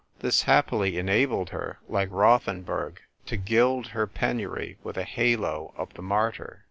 This happily enabled her, like Rothenburg, to gild her penury with the halo of the martyr.